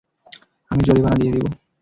আমি জরিমানা দিয়ে দেব!